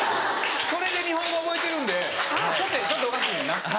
それで日本語覚えてるんでちょっとおかしいねんな。